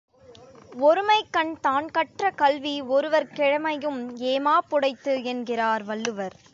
ஒருமைக்கண் தான்கற்ற கல்வி ஒருவற் கெழுமையும் ஏமாப் புடைத்து என்கிறார் வள்ளுவர்.